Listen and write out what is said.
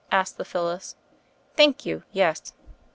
asked the Phyllis. Thank you, yes."